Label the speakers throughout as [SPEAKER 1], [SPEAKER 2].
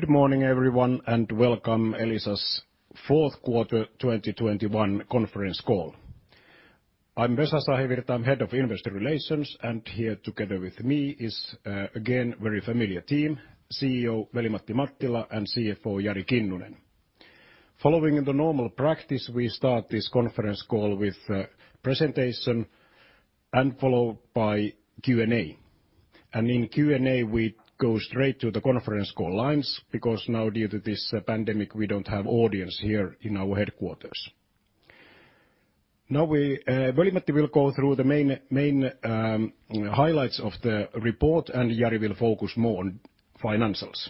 [SPEAKER 1] Good morning, everyone, and welcome to Elisa's fourth quarter 2021 conference call. I'm Vesa Sahivirta, Head of Investor Relations, and here together with me is again very familiar team, CEO Veli-Matti Mattila and CFO Jari Kinnunen. Following the normal practice, we start this conference call with a presentation followed by Q&A. In Q&A, we go straight to the conference call lines because now due to this pandemic, we don't have audience here in our headquarters. Veli-Matti will go through the main highlights of the report, and Jari will focus more on financials.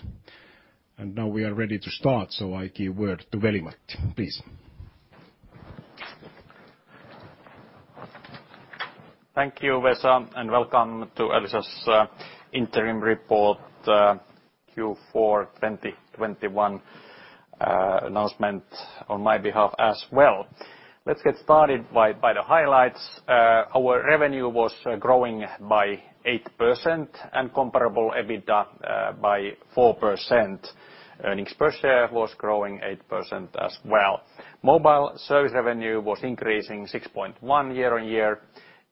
[SPEAKER 1] Now we are ready to start, so I give word to Veli-Matti, please.
[SPEAKER 2] Thank you, Vesa, and welcome to Elisa's interim report, Q4 2021, announcement on my behalf as well. Let's get started by the highlights. Our revenue was growing by 8% and comparable EBITDA by 4%. Earnings per share was growing 8% as well. Mobile service revenue was increasing 6.1% year-on-year.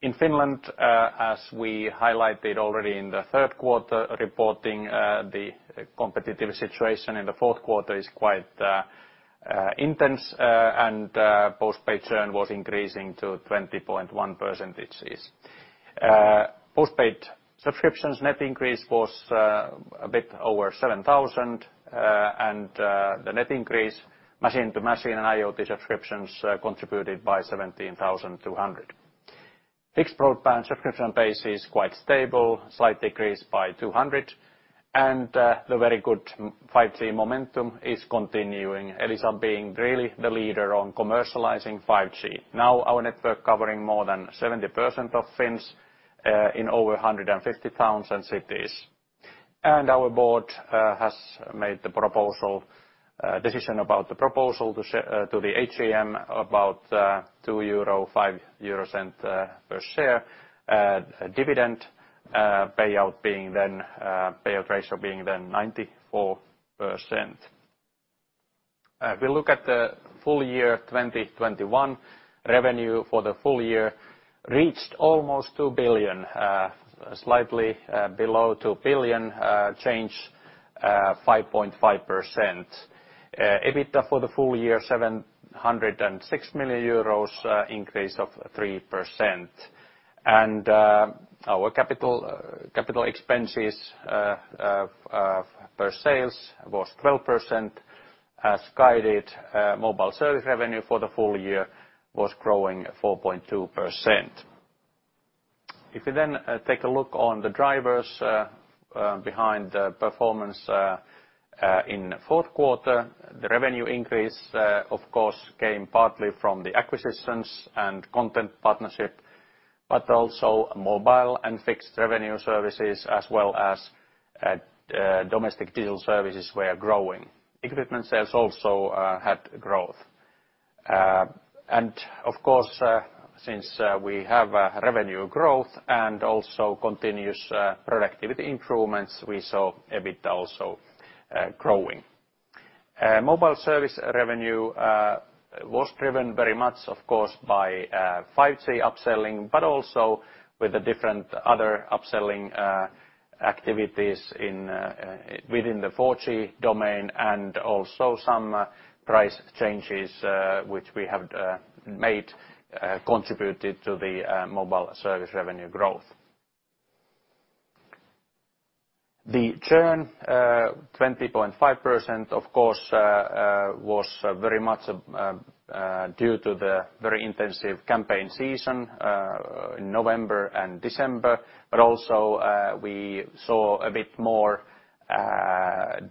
[SPEAKER 2] In Finland, as we highlighted already in the third quarter reporting, the competitive situation in the fourth quarter is quite intense, and postpaid churn was increasing to 20.1%. Postpaid subscriptions net increase was a bit over 7,000, and the net increase machine to machine and IoT subscriptions contributed by 17,200. Fixed broadband subscription base is quite stable, slight decrease by 200, and the very good 5G momentum is continuing. Elisa being really the leader on commercializing 5G. Now our network covering more than 70% of Finns in over 150 towns and cities. Our board has made the decision about the proposal to the AGM about EUR 2.05 per share dividend payout, being then the payout ratio being then 94%. We look at the full year 2021, revenue for the full year reached almost 2 billion, slightly below 2 billion, change 5.5%. EBITDA for the full year, 706 million euros, increase of 3%. Our capital expenses per sales was 12%. As guided, mobile service revenue for the full year was growing 4.2%. If we take a look at the drivers behind the performance in fourth quarter, the revenue increase of course came partly from the acquisitions and content partnership, but also mobile and fixed revenue services, as well as domestic digital services were growing. Equipment sales also had growth. Of course, since we have a revenue growth and also continuous productivity improvements, we saw a bit also growing. Mobile service revenue was driven very much, of course, by 5G upselling, but also with the different other upselling activities within the 4G domain and also some price changes, which we have made, contributed to the mobile service revenue growth. The churn, 20.5%, of course, was very much due to the very intensive campaign season, November and December, but also, we saw a bit more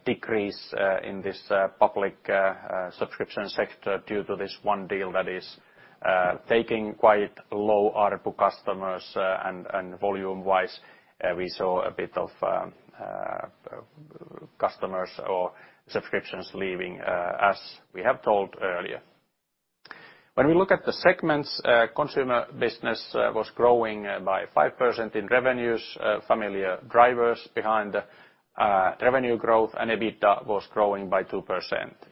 [SPEAKER 2] decrease in this public subscription sector due to this one deal that is taking quite low ARPU customers and volume-wise, we saw a bit of customers or subscriptions leaving, as we have told earlier. When we look at the segments, consumer business was growing by 5% in revenues, familiar drivers behind the revenue growth and EBITDA was growing by 2%.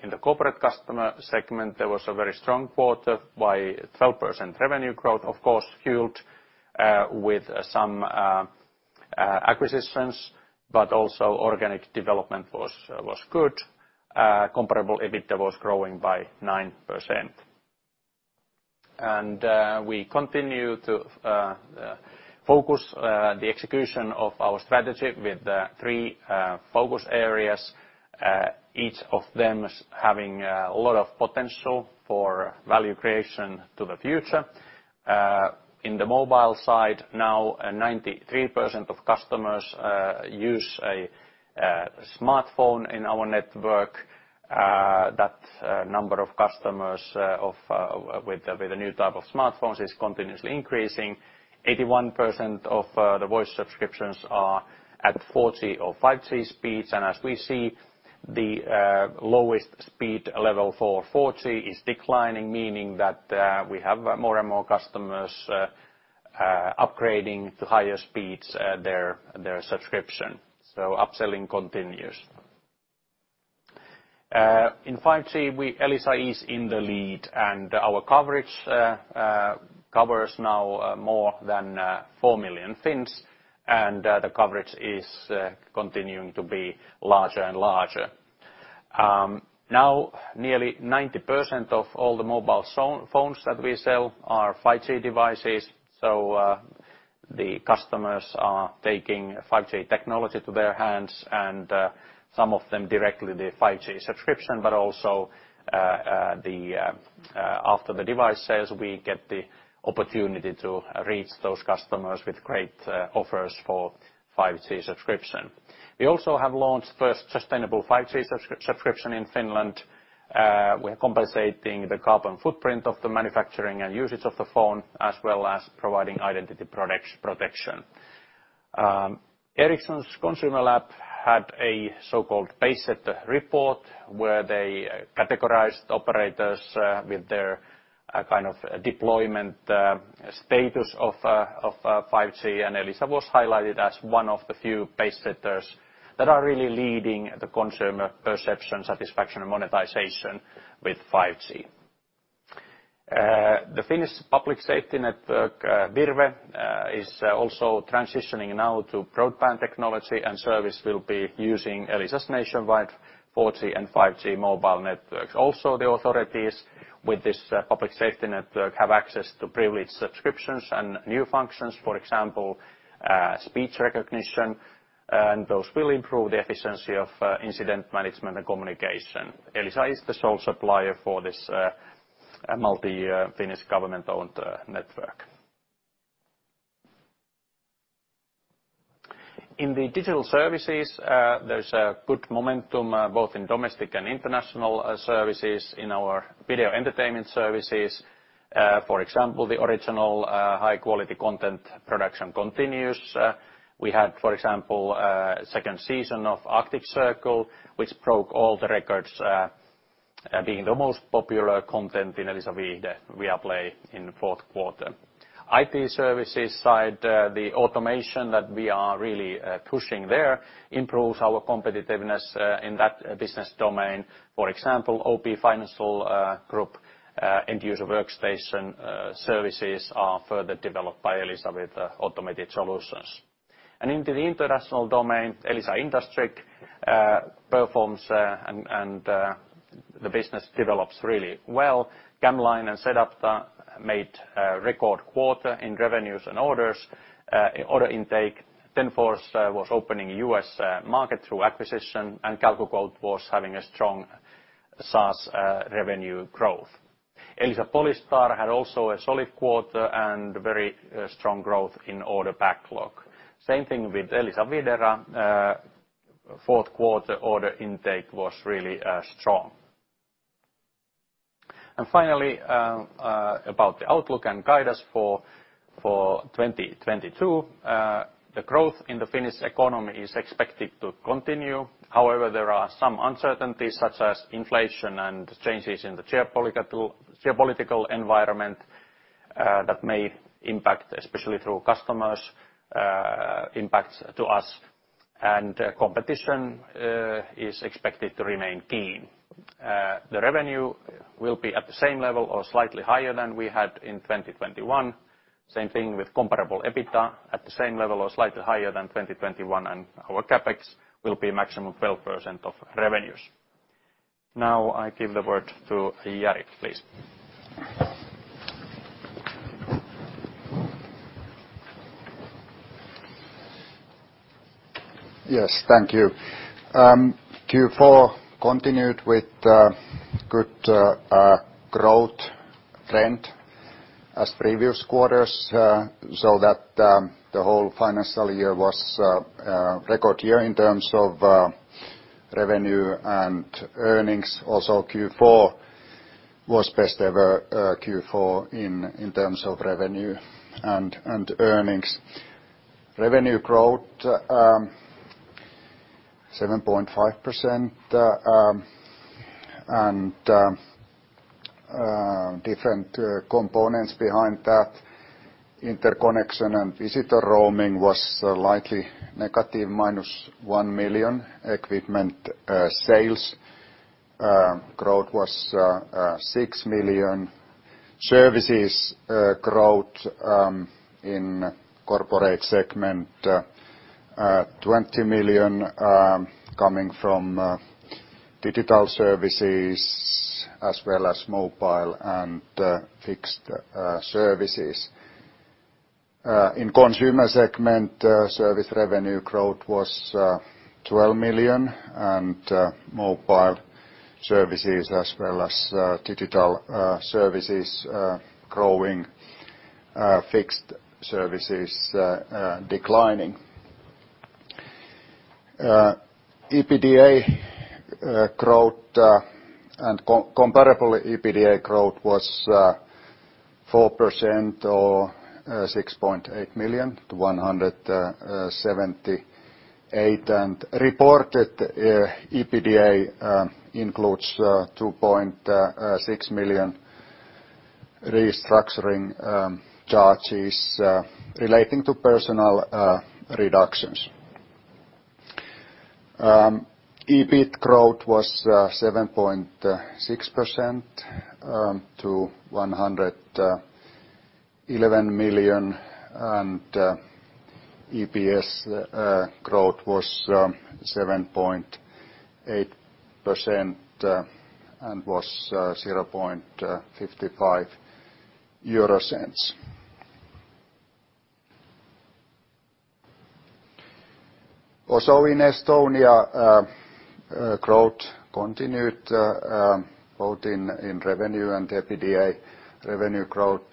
[SPEAKER 2] In the corporate customer segment, there was a very strong quarter by 12% revenue growth, of course, fueled with some acquisitions, but also organic development was good. Comparable EBITDA was growing by 9%. We continue to focus on the execution of our strategy with the three focus areas, each of them having a lot of potential for value creation in the future. In the mobile side now, 93% of customers use a smartphone in our network. That number of customers with a new type of smartphones is continuously increasing. 81% of the voice subscriptions are at 4G or 5G speeds. As we see, the lowest speed level for 4G is declining, meaning that we have more and more customers upgrading to higher speeds in their subscription. Upselling continues. In 5G, Elisa is in the lead, and our coverage covers now more than 4 million Finns. The coverage is continuing to be larger and larger. Now nearly 90% of all the mobile phones that we sell are 5G devices, so the customers are taking 5G technology to their hands and some of them directly the 5G subscription, but also after the device sales, we get the opportunity to reach those customers with great offers for 5G subscription. We also have launched first sustainable 5G subscription in Finland, we're compensating the carbon footprint of the manufacturing and usage of the phone, as well as providing identity products protection. Ericsson's ConsumerLab had a so-called Pacesetters report, where they categorized operators with their kind of deployment status of 5G. Elisa was highlighted as one of the few pacesetters that are really leading the consumer perception, satisfaction, and monetization with 5G. The Finnish Public Safety Network, Virve, is also transitioning now to broadband technology, and service will be using Elisa's nationwide 4G and 5G mobile networks. Also, the authorities with this public safety network have access to privileged subscriptions and new functions, for example, speech recognition, and those will improve the efficiency of incident management and communication. Elisa is the sole supplier for this multi Finnish government-owned network. In the digital services, there's a good momentum both in domestic and international services. In our video entertainment services, for example, the original, high quality content production continues. We had, for example, second season of Arctic Circle, which broke all the records, being the most popular content in Elisa Viihde, Viaplay in the fourth quarter. IT services side, the automation that we are really pushing there improves our competitiveness, in that business domain. For example, OP Financial Group, end user workstation services are further developed by Elisa with automated solutions. Into the international domain, Elisa Industriq performs, and the business develops really well. CamLine and sedApta made a record quarter in revenues and orders, order intake. TenForce was opening U.S. market through acquisition, and CalcuQuote was having a strong SaaS revenue growth. Elisa Polystar had also a solid quarter and very strong growth in order backlog. Same thing with Elisa Videra, fourth quarter order intake was really strong. Finally, about the outlook and guidance for 2022. The growth in the Finnish economy is expected to continue. However, there are some uncertainties such as inflation and changes in the geopolitical environment that may impact, especially through customers, impacts to us. Competition is expected to remain keen. The revenue will be at the same level or slightly higher than we had in 2021. Same thing with comparable EBITDA, at the same level or slightly higher than 2021. Our CapEx will be maximum 12% of revenues. Now I give the word to Jari, please.
[SPEAKER 3] Yes, thank you. Q4 continued with good growth trend as previous quarters, so that the whole financial year was a record year in terms of revenue and earnings. Also, Q4 was best ever Q4 in terms of revenue and earnings. Revenue growth 7.5%, and different components behind that. Interconnection and visitor roaming was slightly negative, -1 million. Equipment sales growth was 6 million. Services growth in corporate segment 20 million, coming from digital services as well as mobile and fixed services. In consumer segment, service revenue growth was 12 million, and mobile services as well as digital services growing, fixed services declining. EBITDA growth and comparable EBITDA growth was 4% or 6.8 million to 178 million, and reported EBITDA includes 2.6 million restructuring charges relating to personnel reductions. EBIT growth was 7.6% to EUR 111 million, and EPS growth was 7.8% and was EUR 0.55. Also in Estonia growth continued both in revenue and EBITDA. Revenue growth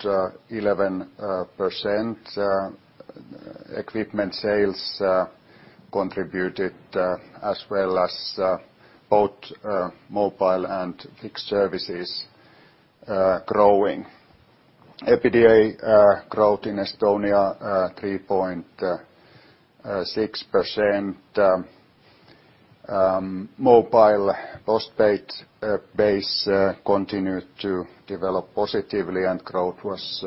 [SPEAKER 3] 11%, equipment sales contributed as well as both mobile and fixed services growing. EBITDA growth in Estonia 3.6%, mobile post-paid base continued to develop positively and growth was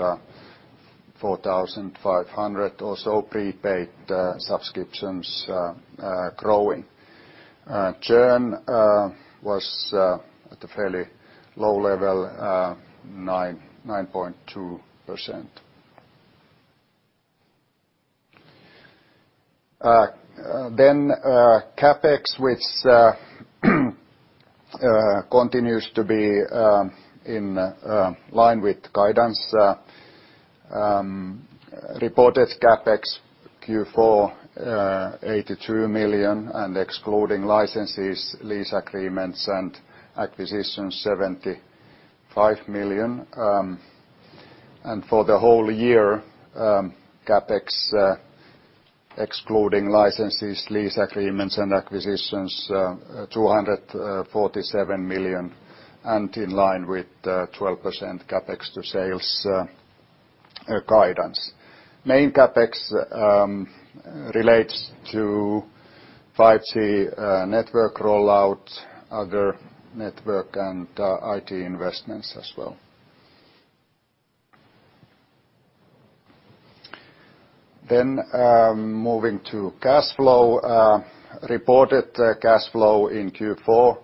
[SPEAKER 3] 4,500, also prepaid subscriptions growing. Churn was at a fairly low level 9.2%. CapEx, which continues to be in line with guidance. Reported CapEx in Q4 was 82 million, and excluding licenses, lease agreements, and acquisitions, 75 million. For the whole year, CapEx excluding licenses, lease agreements, and acquisitions was 247 million, and in line with 12% CapEx to sales guidance. Main CapEx relates to 5G network rollout, other network and IT investments as well. Moving to cash flow. Reported cash flow in Q4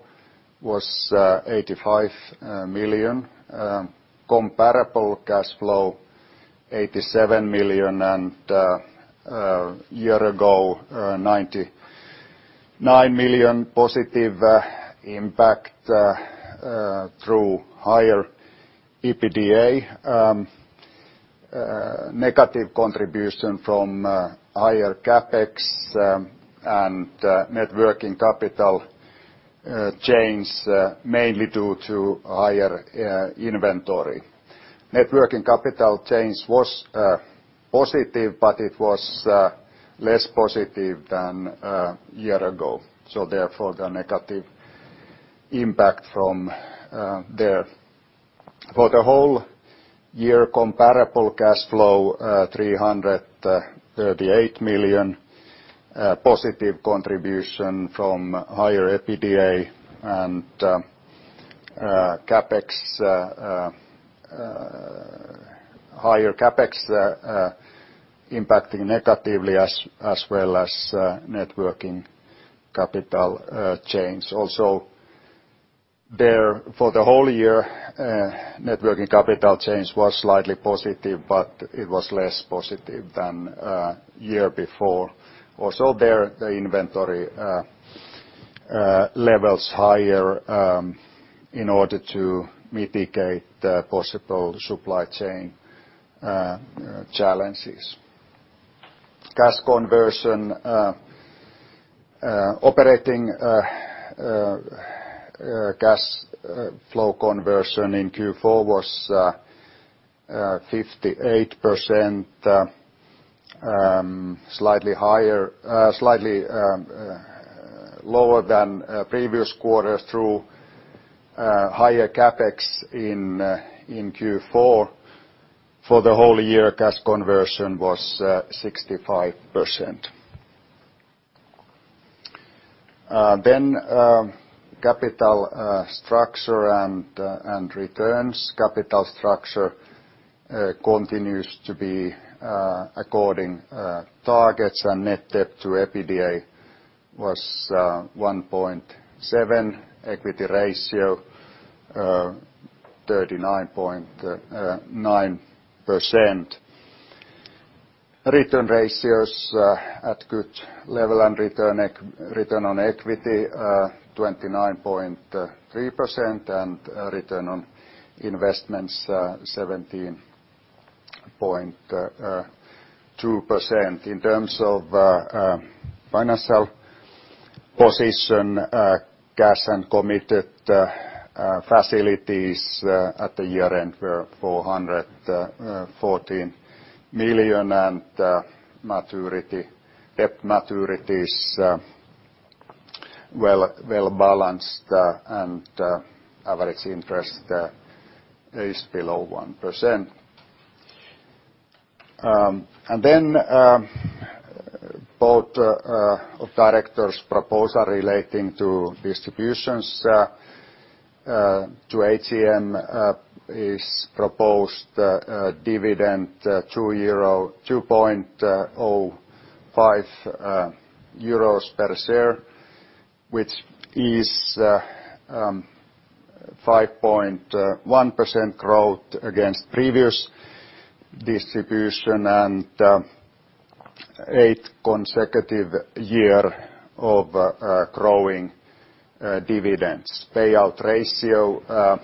[SPEAKER 3] was 85 million, comparable cash flow was 87 million. Compared to a year ago, 99 million positive impact through higher EBITDA. Negative contribution from higher CapEx and net working capital change, mainly due to higher inventory. Net working capital change was positive, but it was less positive than year ago, so therefore the negative impact from there. For the whole year, comparable cash flow 338 million positive contribution from higher EBITDA and higher CapEx impacting negatively as well as net working capital change. Also there for the whole year, net working capital change was slightly positive, but it was less positive than year before. Also there, the inventory levels higher in order to mitigate the possible supply chain challenges. Operating cash flow conversion in Q4 was 58%, slightly lower than previous quarters through higher CapEx in Q4. For the whole year, cash conversion was 65%. Capital structure and returns. Capital structure continues to be according to targets and net debt-to-EBITDA was 1.7x. Equity ratio 39.9%. Return ratios at good level, and return on equity 29.3% and return on investments 17.2%. In terms of financial position, cash and committed facilities at the year-end were 414 million, and debt maturities well-balanced, and average interest is below 1%. Board of Directors proposal relating to distributions to AGM is proposed a dividend of 2.05 euros per share, which is 5.1% growth against previous distribution and eighth consecutive year of growing dividends. Payout ratio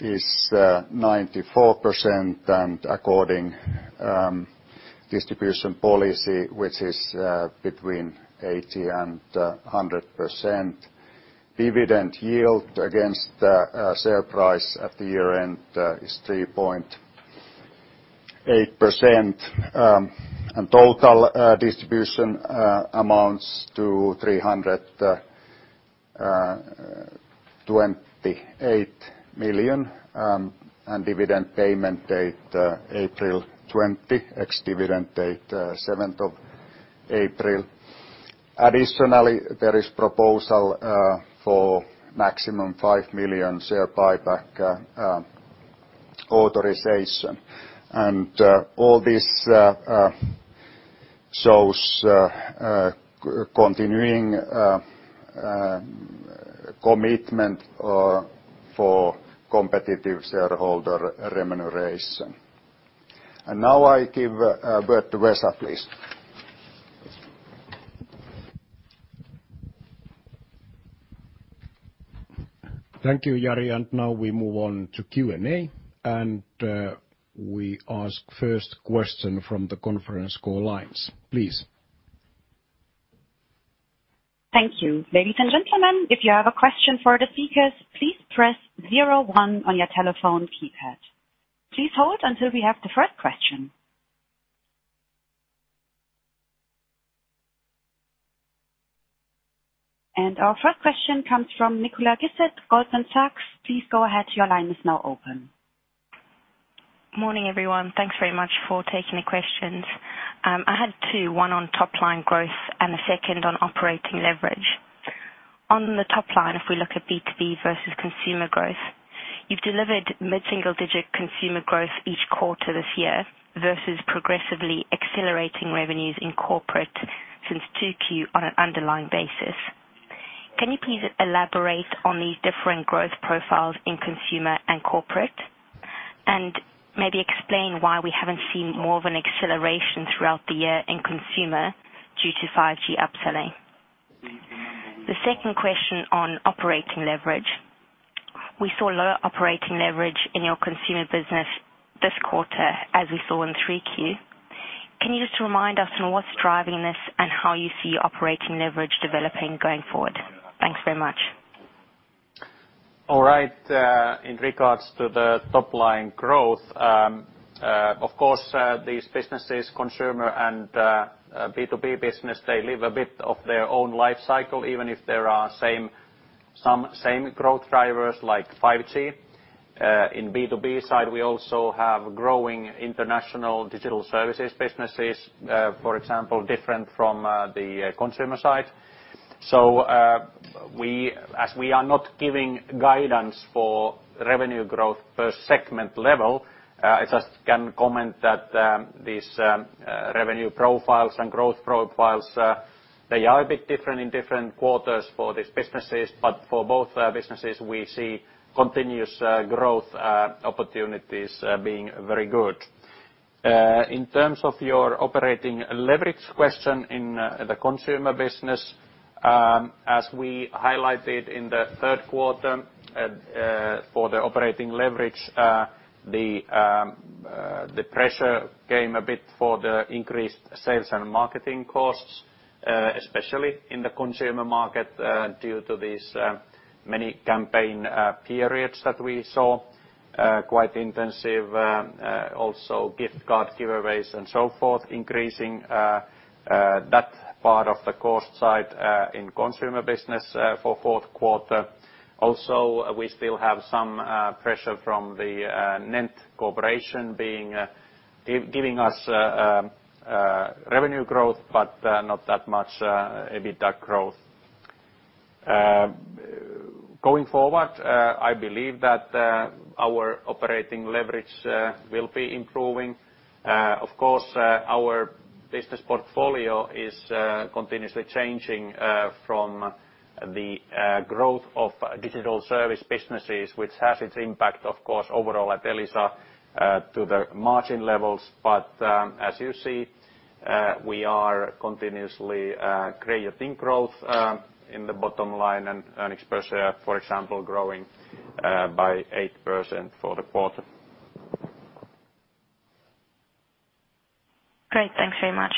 [SPEAKER 3] is 94% and according to distribution policy, which is between 80% and 100%. Dividend yield against share price at the year-end is 3.8%. Total distribution amounts to 328 million, and dividend payment date April 20, ex-dividend date 7th of April. Additionally, there is proposal for maximum 5 million share buyback authorization. All this shows continuing commitment for competitive shareholder remuneration. Now I give word to Vesa, please.
[SPEAKER 1] Thank you, Jari. Now we move on to Q&A. We ask the first question from the conference call lines, please.
[SPEAKER 4] Thank you. Ladies and gentlemen, if you have a question for the speakers, please press zero one on your telephone keypad. Please hold until we have the first question. Our first question comes from Nicola Gifford, Goldman Sachs. Please go ahead. Your line is now open.
[SPEAKER 5] Morning, everyone. Thanks very much for taking the questions. I had two, one on top line growth and the second on operating leverage. On the top line, if we look at B2B versus consumer growth, you've delivered mid-single digit consumer growth each quarter this year versus progressively accelerating revenues in corporate since 2Q on an underlying basis. Can you please elaborate on these different growth profiles in consumer and corporate? Maybe explain why we haven't seen more of an acceleration throughout the year in consumer due to 5G upselling. The second question on operating leverage. We saw lower operating leverage in your consumer business this quarter, as we saw in 3Q. Can you just remind us on what's driving this and how you see operating leverage developing going forward? Thanks very much.
[SPEAKER 2] All right. In regards to the top line growth, of course, these businesses, consumer and B2B business, they live a bit of their own life cycle, even if there are some same growth drivers like 5G. In B2B side, we also have growing international digital services businesses, for example, different from the consumer side. We, as we are not giving guidance for revenue growth per segment level, I just can comment that, these revenue profiles and growth profiles, they are a bit different in different quarters for these businesses, but for both businesses, we see continuous growth opportunities being very good. In terms of your operating leverage question in the consumer business, as we highlighted in the third quarter, for the operating leverage, the pressure came a bit from the increased sales and marketing costs, especially in the consumer market due to these many campaign periods that we saw quite intensive also gift card giveaways and so forth, increasing that part of the cost side in consumer business for fourth quarter. We still have some pressure from the NENT cooperation being giving us revenue growth, but not that much EBITDA growth. Going forward, I believe that our operating leverage will be improving. Of course, our business portfolio is continuously changing from the growth of digital service businesses, which has its impact, of course, overall at Elisa to the margin levels. As you see, we are continuously creating growth in the bottom line and earnings per share, for example, growing by 8% for the quarter.
[SPEAKER 5] Great. Thanks very much.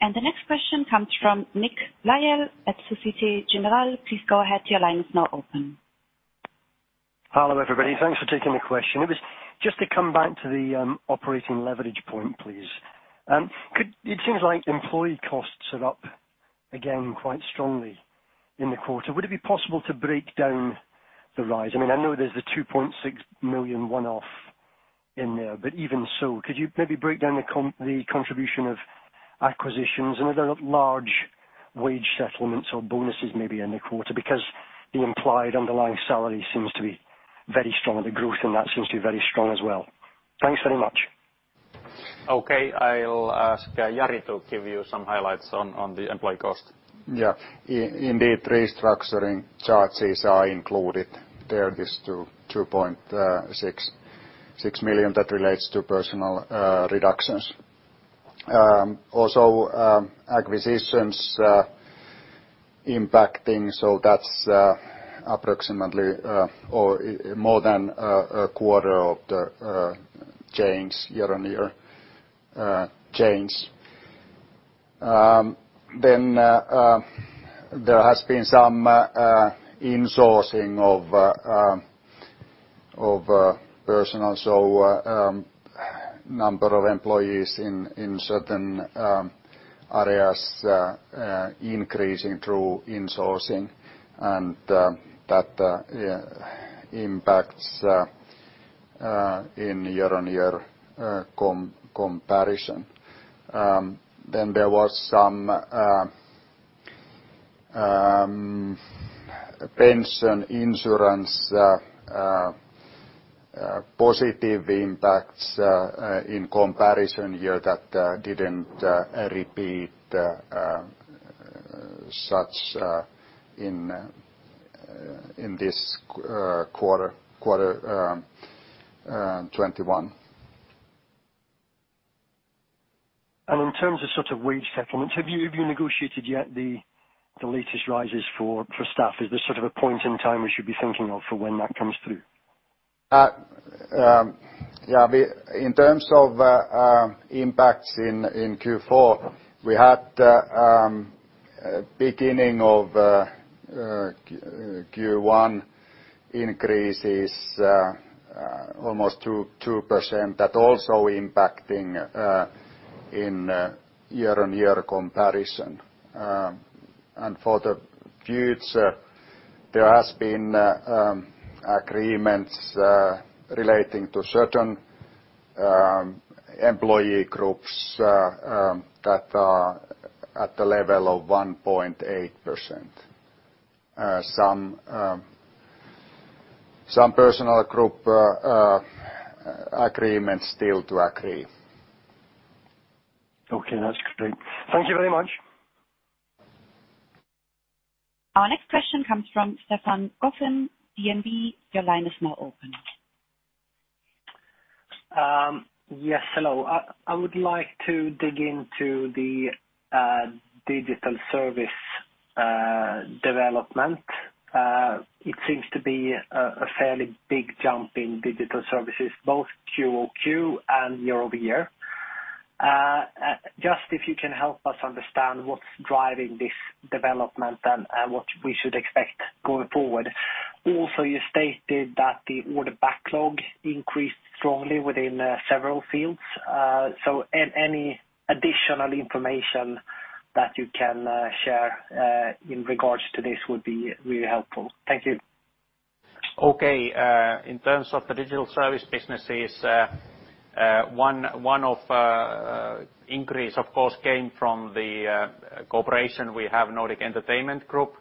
[SPEAKER 4] The next question comes from Nick Lyall at Société Générale. Please go ahead. Your line is now open.
[SPEAKER 6] Hello, everybody. Thanks for taking the question. It was just to come back to the operating leverage point, please. It seems like employee costs are up again quite strongly. In the quarter, would it be possible to break down the rise? I mean, I know there's a 2.6 million one-off in there, but even so, could you maybe break down the contribution of acquisitions and other large wage settlements or bonuses maybe in the quarter? Because the implied underlying salary seems to be very strong, and the growth in that seems to be very strong as well. Thanks very much.
[SPEAKER 2] Okay. I'll ask Jari to give you some highlights on the employee cost.
[SPEAKER 3] Indeed, restructuring charges are included there, 2.6 million that relates to personnel reductions. Also, acquisitions impacting, so that's approximately or more than a quarter of the change year-on-year. There has been some insourcing of personnel, so number of employees in certain areas increasing through insourcing and that impacts in year-on-year comparison. There was some pension insurance positive impacts in comparison year that didn't repeat such in this quarter 2021.
[SPEAKER 6] In terms of sort of wage settlements, have you negotiated yet the latest rises for staff? Is this sort of a point in time we should be thinking of for when that comes through?
[SPEAKER 3] In terms of impacts in Q4, we had beginning of Q1 increases almost 2% that also impacting in year-on-year comparison. For the future, there has been agreements relating to certain employee groups that are at the level of 1.8%. Some personnel group agreements still to agree.
[SPEAKER 6] Okay. That's great. Thank you very much.
[SPEAKER 4] Our next question comes from Stefan Gauffin, DNB. Your line is now open.
[SPEAKER 7] Yes. Hello. I would like to dig into the digital service development. It seems to be a fairly big jump in digital services both quarter-over-quarter and year-over-year. Just if you can help us understand what's driving this development and what we should expect going forward. Also, you stated that the order backlog increased strongly within several fields. So any additional information that you can share in regards to this would be really helpful. Thank you.
[SPEAKER 2] In terms of the digital service businesses, one-off increase, of course, came from the cooperation we have with Nordic Entertainment Group,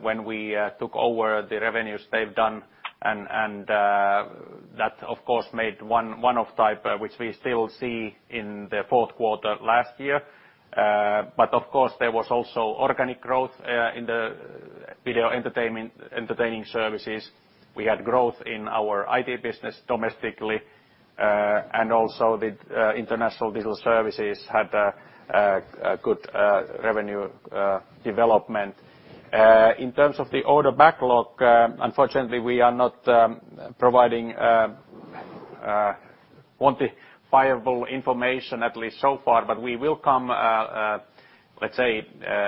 [SPEAKER 2] when we took over the revenues they had and that, of course, made one-off, which we still see in the fourth quarter last year. Of course, there was also organic growth in the video entertainment services. We had growth in our IT business domestically, and also the international digital services had a good revenue development. In terms of the order backlog, unfortunately, we are not providing quantifiable information at least so far, but we will come, let's say,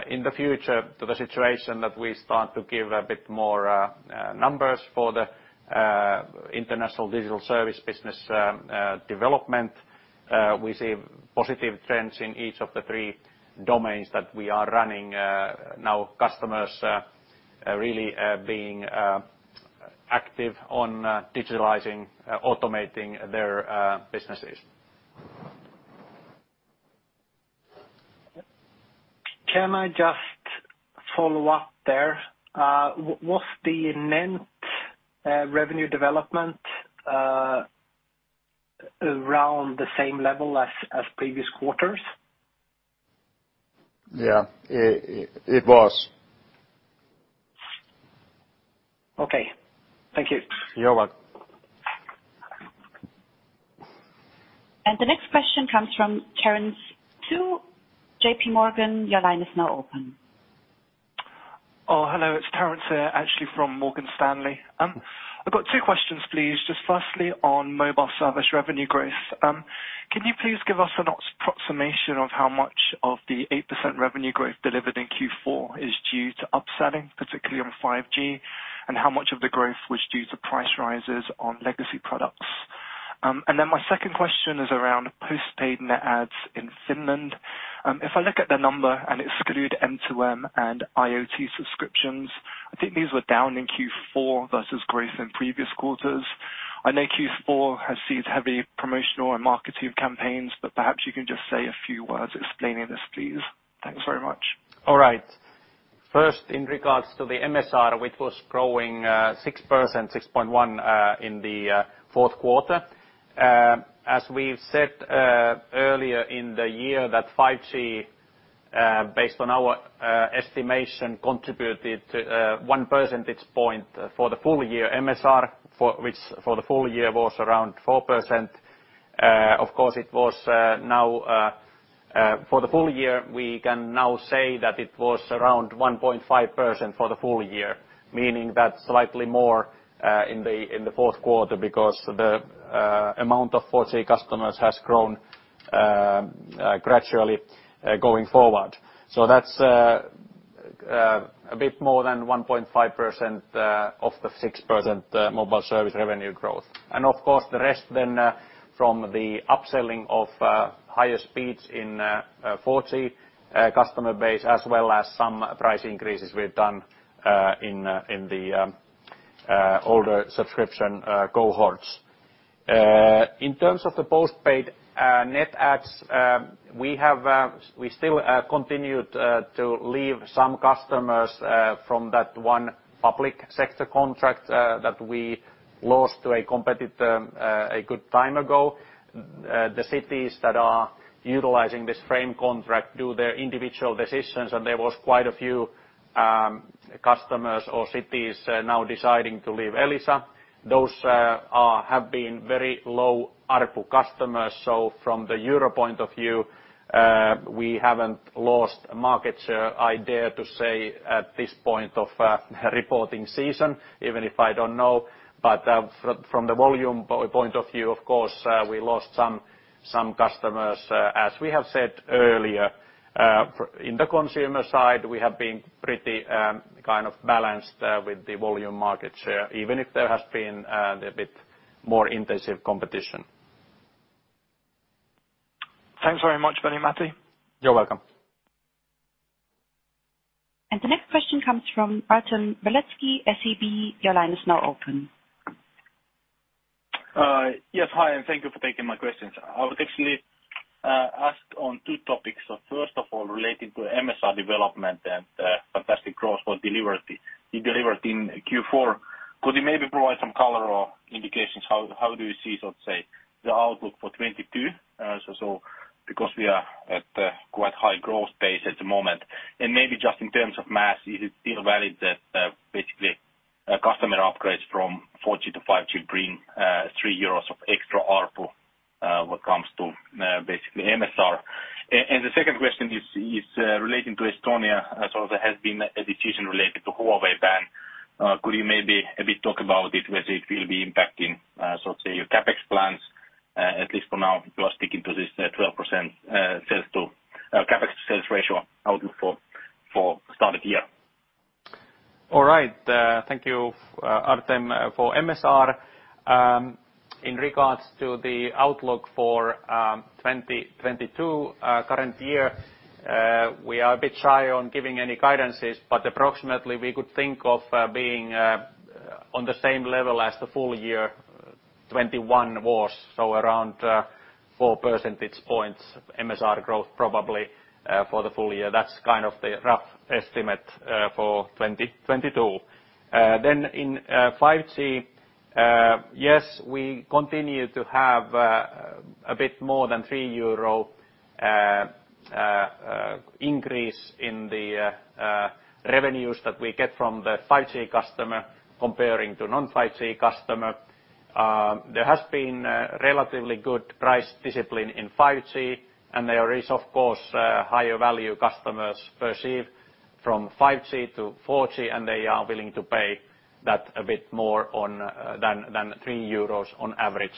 [SPEAKER 2] in the future to the situation that we start to give a bit more numbers for the international digital service business development. We see positive trends in each of the three domains that we are running. Now customers really being active on digitalizing, automating their businesses.
[SPEAKER 7] Can I just follow up there? Was the net revenue development around the same level as previous quarters?
[SPEAKER 3] Yeah. It was.
[SPEAKER 7] Okay. Thank you.
[SPEAKER 3] You're welcome.
[SPEAKER 4] The next question comes from Terence Tsui, Morgan Stanley. Your line is now open.
[SPEAKER 8] Oh, hello. It's Terence here, actually from Morgan Stanley. I've got two questions, please. Just firstly, on mobile service revenue growth, can you please give us an approximation of how much of the 8% revenue growth delivered in Q4 is due to upselling, particularly on 5G, and how much of the growth was due to price rises on legacy products? My second question is around postpaid net adds in Finland. If I look at the number and exclude M2M and IoT subscriptions, I think these were down in Q4 versus growth in previous quarters. I know Q4 has seen heavy promotional and marketing campaigns, but perhaps you can just say a few words explaining this, please. Thanks very much.
[SPEAKER 2] All right. First, in regards to the MSR, which was growing 6%, 6.1% in the fourth quarter. As we've said earlier in the year that 5G based on our estimation contributed to 1 percentage point for the full year MSR which for the full year was around 4%. Of course it was now for the full year we can now say that it was around 1.5% for the full year, meaning that slightly more in the fourth quarter because the amount of 4G customers has grown gradually going forward. That's a bit more than 1.5% of the 6% mobile service revenue growth. Of course, the rest then from the upselling of higher speeds in 4G customer base, as well as some price increases we've done in the older subscription cohorts. In terms of the postpaid net adds, we still continued to lose some customers from that one public sector contract that we lost to a competitor a good time ago. The cities that are utilizing this frame contract do their individual decisions, and there was quite a few customers or cities now deciding to leave Elisa. Those have been very low ARPU customers. From the euro point of view, we haven't lost market share, I dare to say, at this point of reporting season, even if I don't know. From the volume point of view, of course, we lost some customers. As we have said earlier, in the consumer side, we have been pretty kind of balanced with the volume market share, even if there has been a bit more intensive competition.
[SPEAKER 8] Thanks very much, Veli-Matti.
[SPEAKER 2] You're welcome.
[SPEAKER 4] The next question comes from Artem Beletski, SEB. Your line is now open.
[SPEAKER 9] Yes. Hi, and thank you for taking my questions. I would actually ask on two topics. First of all, related to MSR development and fantastic growth you delivered in Q4. Could you maybe provide some color or indications how you see the outlook for 2022? Because we are at a quite high growth pace at the moment. Maybe just in terms of math, is it still valid that basically a customer upgrades from 4G to 5G bring 3 euros of extra ARPU when it comes to basically MSR? The second question is relating to Estonia, as well as there has been a decision related to Huawei ban. Could you maybe a bit talk about it, whether it will be impacting your CapEx plans, at least for now, you are sticking to this 12% sales to CapEx sales ratio outlook for start of year?
[SPEAKER 2] All right. Thank you, Artem, for MSR. In regards to the outlook for 2022, current year, we are a bit shy on giving any guidances, but approximately we could think of being on the same level as the full year 2021 was, so around 4 percentage points MSR growth probably for the full year. That's kind of the rough estimate for 2022. Then in 5G, yes, we continue to have a bit more than EUR 3 increase in the revenues that we get from the 5G customer compared to non-5G customer. There has been a relatively good price discipline in 5G, and there is, of course, higher value customers perceive from 5G to 4G, and they are willing to pay that a bit more than 3 euros on average.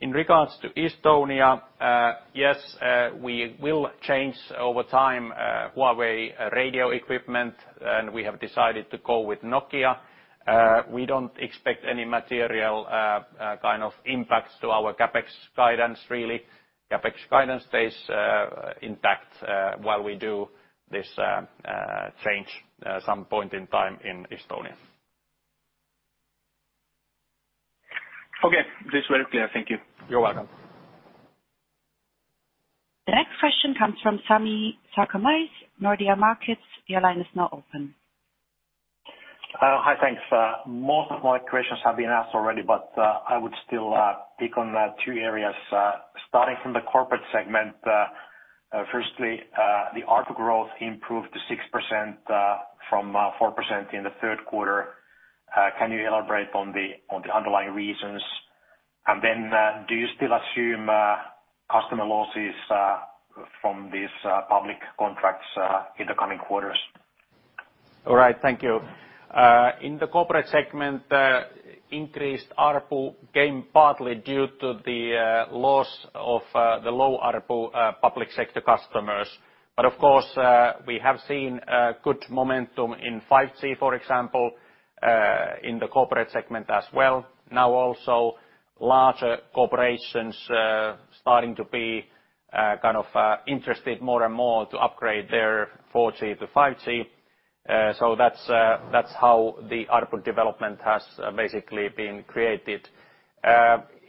[SPEAKER 2] In regards to Estonia, yes, we will change over time Huawei radio equipment, and we have decided to go with Nokia. We don't expect any material kind of impacts to our CapEx guidance really. CapEx guidance stays intact while we do this change some point in time in Estonia.
[SPEAKER 9] Okay. This is very clear. Thank you.
[SPEAKER 2] You're welcome.
[SPEAKER 4] The next question comes from Sami Sarkamies, Nordea Markets. Your line is now open.
[SPEAKER 10] Hi. Thanks. Most of my questions have been asked already, but I would still pick on two areas, starting from the corporate segment. Firstly, the ARPU growth improved to 6% from 4% in the third quarter. Can you elaborate on the underlying reasons? Then, do you still assume customer losses from these public contracts in the coming quarters?
[SPEAKER 2] All right. Thank you. In the corporate segment, increased ARPU gain partly due to the loss of the low ARPU public sector customers. Of course, we have seen good momentum in 5G, for example, in the corporate segment as well. Now also larger corporations starting to be kind of interested more and more to upgrade their 4G to 5G. That's how the ARPU development has basically been created.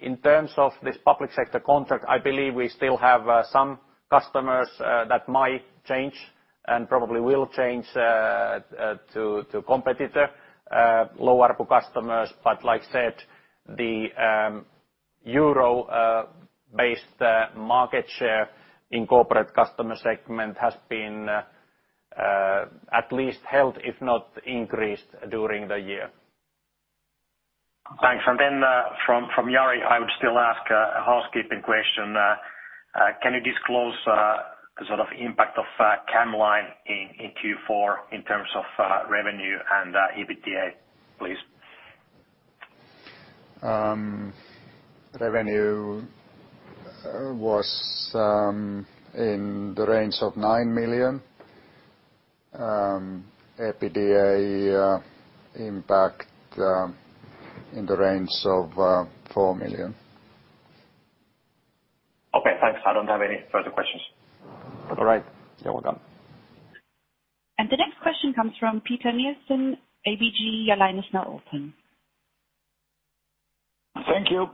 [SPEAKER 2] In terms of this public sector contract, I believe we still have some customers that might change and probably will change to competitor low ARPU customers. Like I said, the euro-based market share in corporate customer segment has been at least held, if not increased during the year.
[SPEAKER 10] Thanks. From Jari, I would still ask a housekeeping question. Can you disclose the sort of impact of camLine in Q4 in terms of revenue and EBITDA, please?
[SPEAKER 3] Revenue was in the range of 9 million. EBITDA impact in the range of 4 million.
[SPEAKER 10] Okay, thanks. I don't have any further questions.
[SPEAKER 3] All right. You're welcome.
[SPEAKER 4] The next question comes from Peter Nielsen, ABG. Your line is now open.
[SPEAKER 11] Thank you.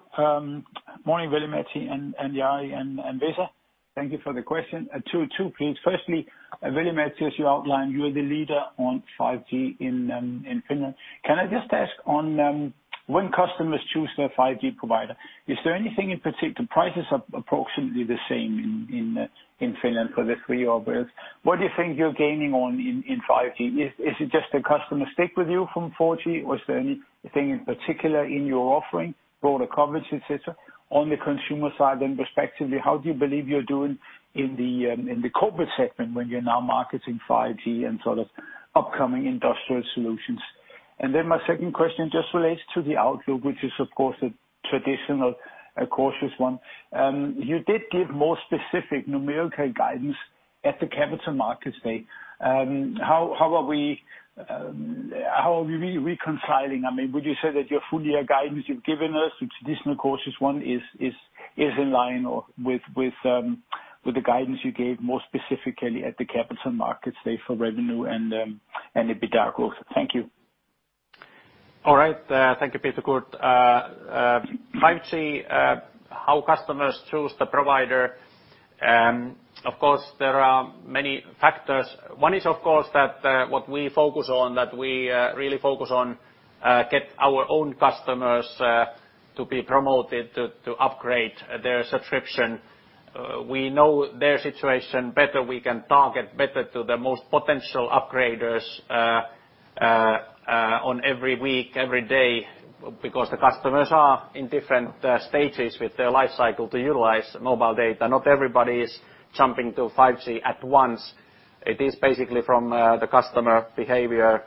[SPEAKER 11] Morning, Veli-Matti and Jari and Vesa. Thank you for the question. Two please. Firstly, Veli-Matti, as you outlined, you are the leader on 5G in Finland. Can I just ask on when customers choose their 5G provider, is there anything in particular? Prices are approximately the same in Finland for the three operators. What do you think you're gaining on in 5G? Is it just the customers stick with you from 4G, or is there anything in particular in your offering, broader coverage, et cetera, on the consumer side? Respectively, how do you believe you're doing in the corporate segment when you're now marketing 5G and sort of upcoming industrial solutions? Then my second question just relates to the outlook, which is of course a traditional, a cautious one. You did give more specific numerical guidance at the Capital Markets Day. How are we reconciling? I mean, would you say that your full year guidance you've given us, which is traditionally cautious, is in line with the guidance you gave more specifically at the Capital Markets Day for revenue and EBITDA growth? Thank you.
[SPEAKER 2] All right. Thank you, Peter. Good. 5G, how customers choose the provider, of course, there are many factors. One is, of course, that what we focus on, that we really focus on getting our own customers to upgrade their subscription. We know their situation better. We can target better the most potential upgraders on every week, every day, because the customers are in different stages with their life cycle to utilize mobile data. Not everybody is jumping to 5G at once. It is basically from the customer behavior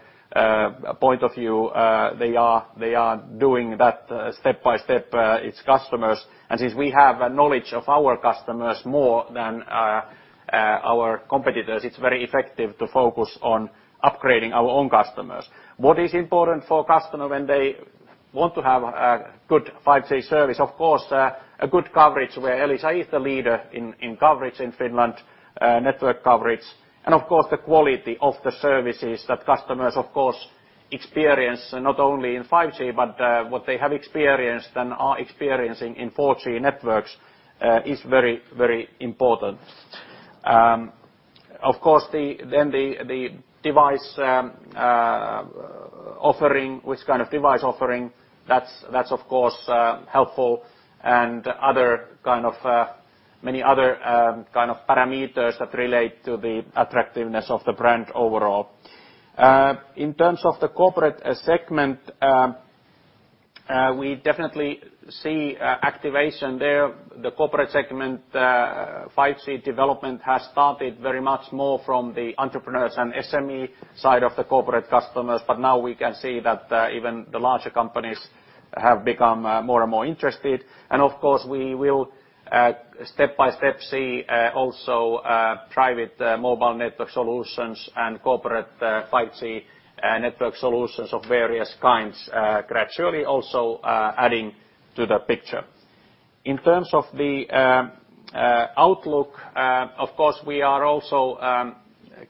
[SPEAKER 2] point of view. They are doing that step by step. It's customers. Since we have a knowledge of our customers more than our competitors, it's very effective to focus on upgrading our own customers. What is important for a customer when they want to have a good 5G service? Of course, a good coverage where Elisa is the leader in coverage in Finland, network coverage. Of course, the quality of the services that customers of course experience not only in 5G, but what they have experienced and are experiencing in 4G networks, is very important. Of course, the device offering, which kind of device offering that's of course helpful and other kind of many other kind of parameters that relate to the attractiveness of the brand overall. In terms of the corporate segment, we definitely see activation there. The corporate segment 5G development has started very much more from the entrepreneurs and SME side of the corporate customers. Now we can see that even the larger companies have become more and more interested. Of course, we will step by step see also private mobile network solutions and corporate 5G network solutions of various kinds gradually also adding to the picture. In terms of the outlook, of course, we are also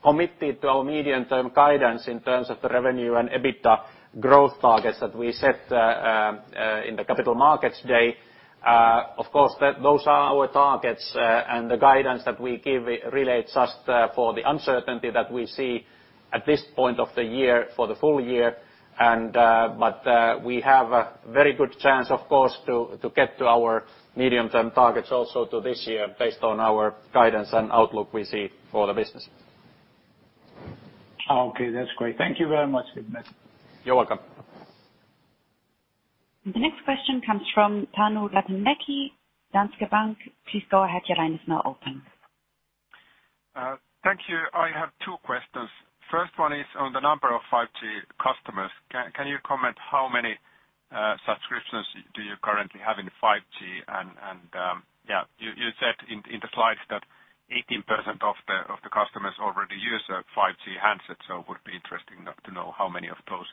[SPEAKER 2] committed to our medium-term guidance in terms of the revenue and EBITDA growth targets that we set in the Capital Markets Day. Of course, those are our targets. The guidance that we give relates just for the uncertainty that we see at this point of the year for the full year. We have a very good chance, of course, to get to our medium-term targets also to this year based on our guidance and outlook we see for the business.
[SPEAKER 11] Okay, that's great. Thank you very much, Veli-Matti.
[SPEAKER 2] You're welcome.
[SPEAKER 4] The next question comes from Panu Laitinmäki, Danske Bank. Please go ahead, your line is now open.
[SPEAKER 12] Thank you. I have two questions. First one is on the number of 5G customers. Can you comment how many subscriptions do you currently have in 5G? And yeah, you said in the slides that. 18% of the customers already use a 5G handset, so it would be interesting enough to know how many of those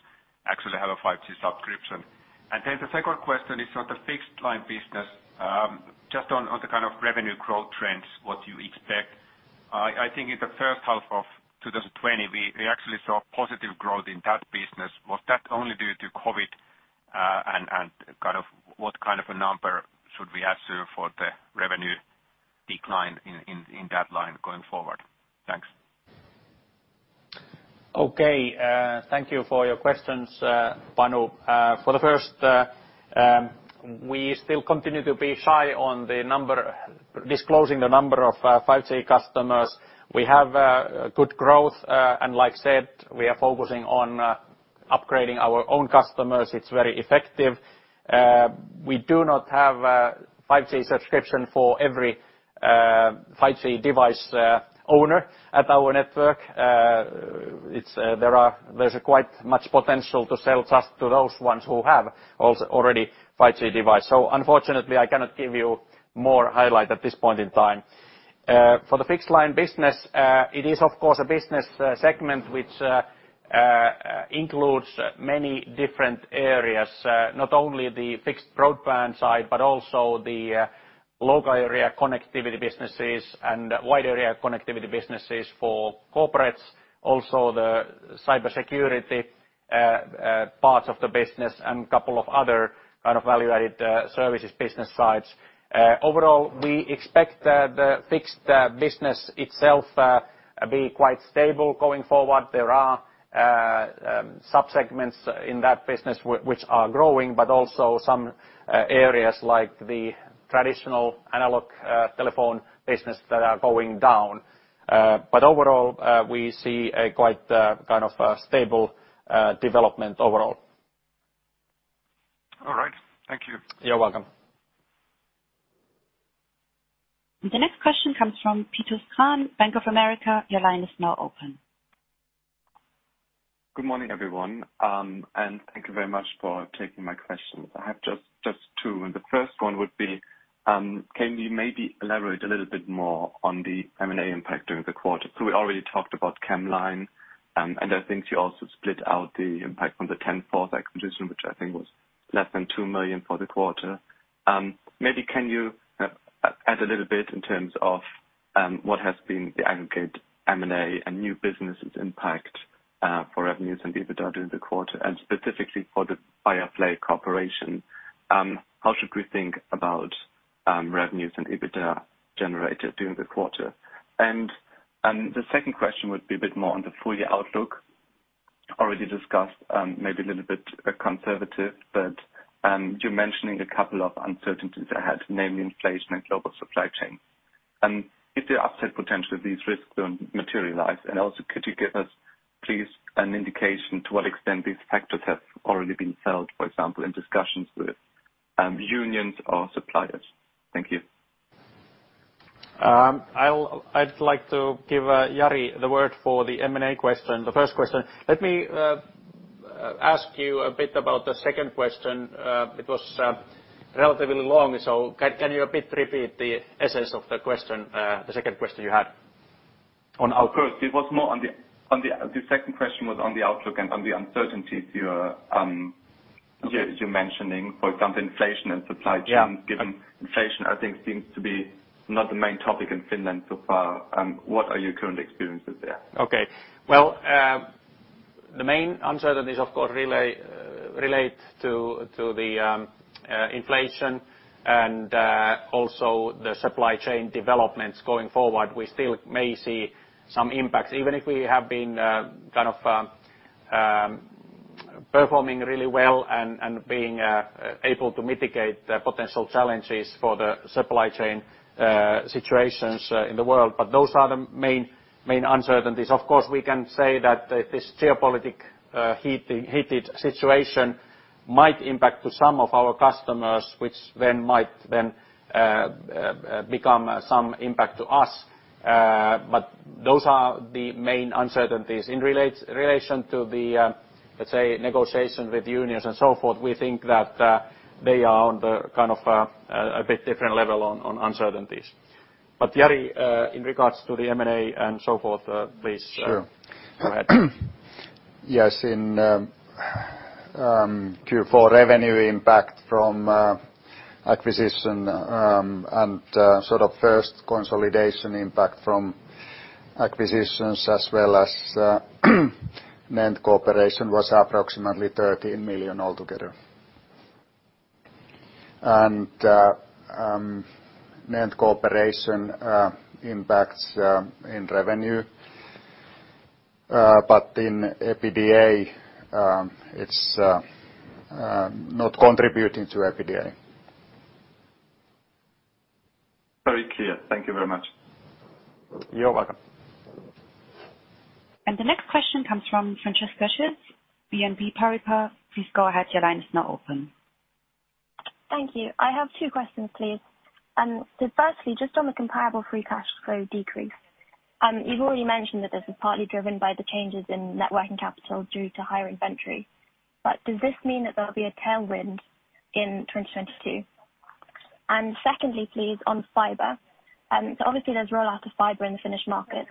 [SPEAKER 12] actually have a 5G subscription. The second question is on the fixed line business. Just on the kind of revenue growth trends, what do you expect? I think in the first half of 2020, we actually saw positive growth in that business. Was that only due to COVID? Kind of what kind of a number should we assume for the revenue decline in that line going forward? Thanks.
[SPEAKER 2] Okay. Thank you for your questions, Panu. For the first, we still continue to be shy on disclosing the number of 5G customers. We have good growth, and like I said, we are focusing on upgrading our own customers. It's very effective. We do not have 5G subscription for every 5G device owner at our network. It's, there's quite much potential to sell just to those ones who have also already 5G device. So unfortunately, I cannot give you more highlight at this point in time. For the fixed line business, it is of course a business segment which includes many different areas, not only the fixed broadband side, but also the local area connectivity businesses and wide area connectivity businesses for corporates. The cybersecurity parts of the business and a couple of other kind of value-added services business sides. Overall, we expect the fixed business itself be quite stable going forward. There are sub-segments in that business which are growing, but also some areas like the traditional analog telephone business that are going down. Overall, we see a quite kind of a stable development overall.
[SPEAKER 12] All right. Thank you.
[SPEAKER 2] You're welcome.
[SPEAKER 4] The next question comes from Titus Krahn, Bank of America. Your line is now open.
[SPEAKER 13] Good morning, everyone, and thank you very much for taking my questions. I have just two, and the first one would be, can you maybe elaborate a little bit more on the M&A impact during the quarter? We already talked about camLine, and I think you also split out the impact from the TenForce acquisition, which I think was less than 2 million for the quarter. Maybe can you add a little bit in terms of, what has been the aggregate M&A and new businesses impact, for revenues and EBITDA during the quarter, and specifically for the Firefly Corporation, how should we think about, revenues and EBITDA generated during the quarter? The second question would be a bit more on the full year outlook. Already discussed, maybe a little bit conservative, but, you're mentioning a couple of uncertainties ahead, namely inflation and global supply chain. Is there upside potential if these risks don't materialize? Also could you give us, please, an indication to what extent these factors have already been felt, for example, in discussions with unions or suppliers? Thank you.
[SPEAKER 2] I'd like to give Jari the word for the M&A question, the first question. Let me ask you a bit about the second question. It was relatively long, so can you a bit repeat the essence of the question, the second question you had?
[SPEAKER 13] The second question was on the outlook and on the uncertainties you're-
[SPEAKER 2] Yes.
[SPEAKER 13] You're mentioning, for example, inflation and supply chains.
[SPEAKER 2] Yeah.
[SPEAKER 13] Given inflation, I think it seems to be not the main topic in Finland so far. What are your current experiences there?
[SPEAKER 2] Okay. Well, the main uncertainties of course relate to the inflation and also the supply chain developments going forward. We still may see some impacts, even if we have been kind of performing really well and being able to mitigate the potential challenges for the supply chain situations in the world. Those are the main uncertainties. Of course, we can say that this geopolitical heated situation might impact to some of our customers, which then might become some impact to us. Those are the main uncertainties. In relation to the, let's say, negotiation with unions and so forth, we think that they are on the kind of a bit different level on uncertainties. Jari, in regards to the M&A and so forth, please.
[SPEAKER 3] Sure.
[SPEAKER 2] Go ahead.
[SPEAKER 3] Yes. In Q4 revenue impact from acquisition and sort of first consolidation impact from acquisitions as well as NENT cooperation was approximately EUR 13 million all together. NENT cooperation impacts in revenue but in EBITDA it's not contributing to EBITDA.
[SPEAKER 13] Very clear. Thank you very much.
[SPEAKER 2] You're welcome.
[SPEAKER 4] The next question comes from Francesca Schild, BNP Paribas. Please go ahead, your line is now open.
[SPEAKER 14] Thank you. I have two questions, please. Firstly, just on the comparable free cash flow decrease, you've already mentioned that this is partly driven by the changes in net working capital due to higher inventory. Does this mean that there'll be a tailwind in 2022? Secondly, please, on fiber, obviously there's rollout of fiber in the Finnish market.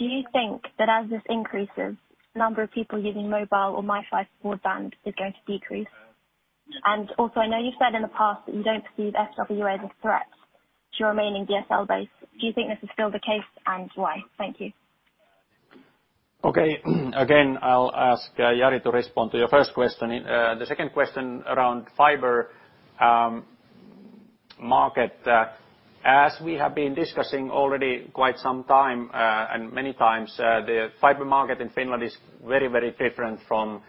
[SPEAKER 14] Do you think that as this increases, the number of people using mobile or MiFi for broadband is going to decrease? Also, I know you've said in the past that you don't perceive FWA as a threat to your remaining DSL base. Do you think this is still the case, and why? Thank you.
[SPEAKER 2] Okay. Again, I'll ask Jari to respond to your first question. The second question around fiber market, as we have been discussing already quite some time, and many times, the fiber market in Finland is very, very different from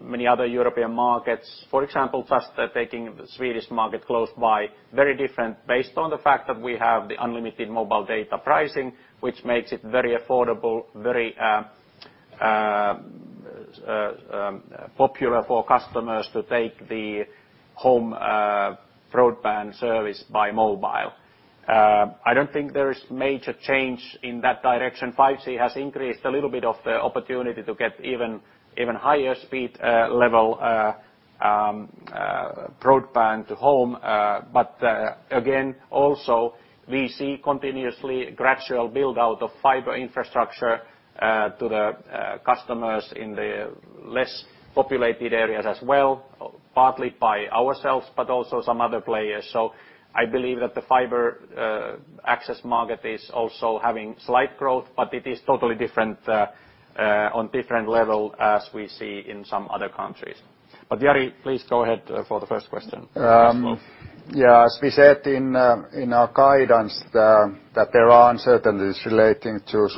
[SPEAKER 2] many other European markets. For example, just taking the Swedish market close by, very different based on the fact that we have the unlimited mobile data pricing, which makes it very affordable, very popular for customers to take the home broadband service by mobile. I don't think there is major change in that direction. 5G has increased a little bit of the opportunity to get even higher speed level broadband to home, but again also we see continuously gradual build-out of fiber infrastructure to the customers in the less populated areas as well, partly by ourselves, but also some other players. I believe that the fiber access market is also having slight growth, but it is totally different on different level as we see in some other countries. Jari, please go ahead for the first question.
[SPEAKER 3] Yeah. As we said in our guidance, that there are uncertainties relating to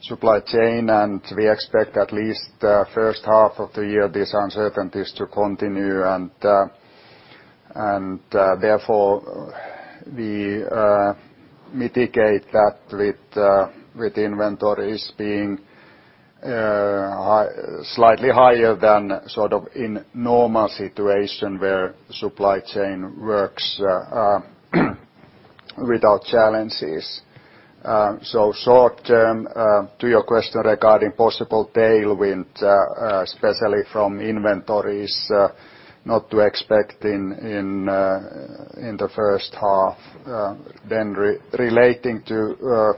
[SPEAKER 3] supply chain, and we expect at least the first half of the year these uncertainties to continue. Therefore we mitigate that with inventories being slightly higher than sort of in normal situation where supply chain works without challenges. Short-term, to your question regarding possible tailwind, especially from inventories, not to expect in the first half. Relating to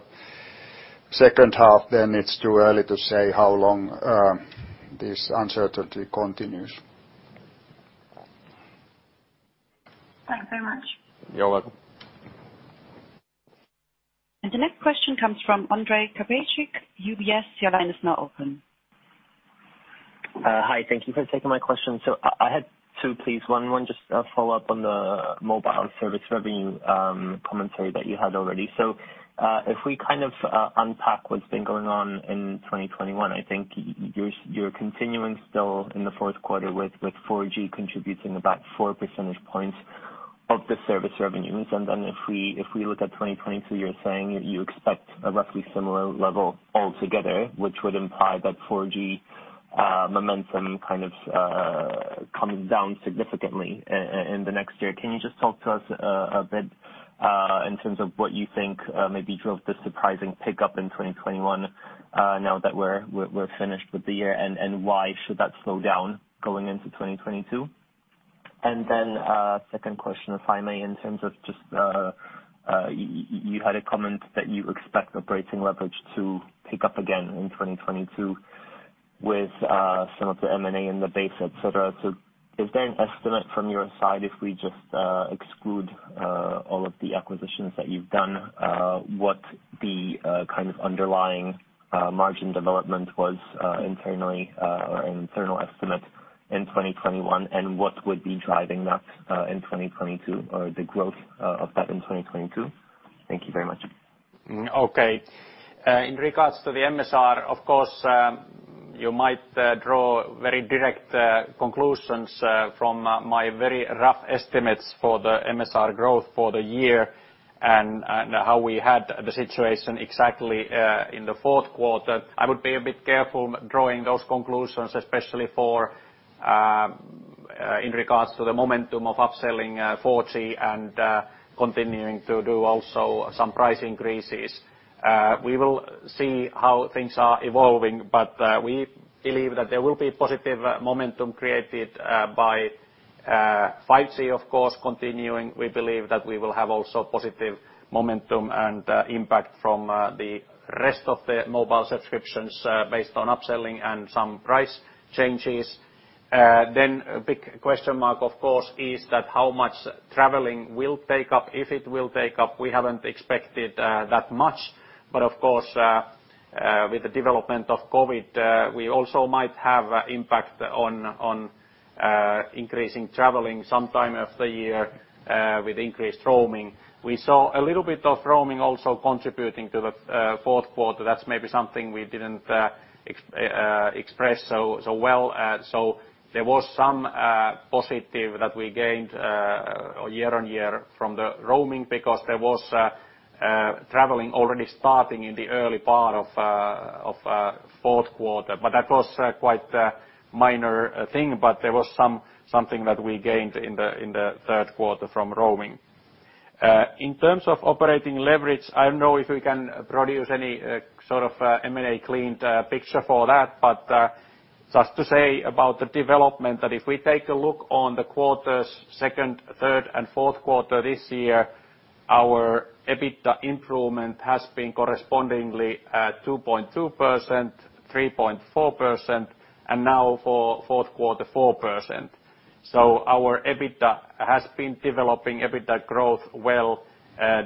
[SPEAKER 3] second half, it's too early to say how long this uncertainty continues.
[SPEAKER 14] Thanks very much.
[SPEAKER 3] You're welcome.
[SPEAKER 4] The next question comes from Ondrej Cabejsek, UBS. Your line is now open.
[SPEAKER 15] Hi. Thank you for taking my question. I had two, please. One just a follow-up on the mobile service revenue commentary that you had already. If we kind of unpack what's been going on in 2021, I think you're continuing still in the fourth quarter with 4G contributing about 4 percentage points of the service revenues. Then if we look at 2022, you're saying you expect a roughly similar level altogether, which would imply that 4G momentum kind of comes down significantly in the next year. Can you just talk to us a bit in terms of what you think maybe drove the surprising pickup in 2021 now that we're finished with the year, and why should that slow down going into 2022? Then a second question, if I may, in terms of just, you had a comment that you expect operating leverage to pick up again in 2022 with some of the M&A in the base, et cetera. Is there an estimate from your side, if we just exclude all of the acquisitions that you've done, what the kind of underlying margin development was internally or an internal estimate in 2021, and what would be driving that in 2022 or the growth of that in 2022? Thank you very much.
[SPEAKER 2] Okay. In regards to the MSR, of course, you might draw very direct conclusions from my very rough estimates for the MSR growth for the year and how we had the situation exactly in the fourth quarter. I would be a bit careful drawing those conclusions, especially in regards to the momentum of upselling 4G and continuing to do also some price increases. We will see how things are evolving, but we believe that there will be positive momentum created by 5G, of course, continuing. We believe that we will have also positive momentum and impact from the rest of the mobile subscriptions based on upselling and some price changes. A big question mark, of course, is that how much traveling will pick up, if it will pick up. We haven't expected that much, but of course, with the development of COVID, we also might have impact on increasing traveling sometime of the year with increased roaming. We saw a little bit of roaming also contributing to the fourth quarter. That's maybe something we didn't express so well. There was some positive that we gained year-on-year from the roaming because there was traveling already starting in the early part of fourth quarter. That was quite a minor thing, but there was something that we gained in the third quarter from roaming. In terms of operating leverage, I don't know if we can produce any sort of M&A cleaned picture for that. Just to say about the development, that if we take a look on the quarters, second, third, and fourth quarter this year, our EBITDA improvement has been correspondingly at 2.2%, 3.4%, and now for fourth quarter, 4%. Our EBITDA has been developing EBITDA growth well